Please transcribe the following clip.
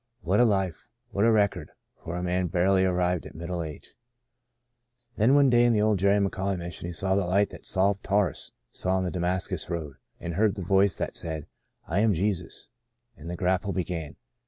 What a life ! What a record, for a man barely arrived at middle age ! Then one day in the old Jerry McAuley Mission he saw the light that Saul of Tarsus saw on the Damascus road, and heard the voice that said, I am Jesus" ; and the grap ple began.